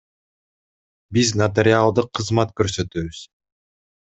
Биз нотариалдык кызмат көрсөтөбүз.